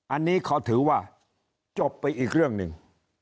อันนี้เขาถือว่าจบไปอีกเรื่องหนึ่ง